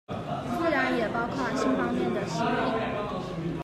自然也包含性方面的吸引